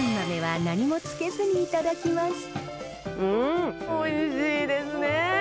うんおいしいですね。